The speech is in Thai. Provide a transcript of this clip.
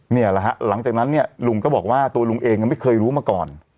นี่แหละฮะหลังจากนั้นเนี่ยลุงก็บอกว่าตัวลุงเองไม่เคยรู้มาก่อน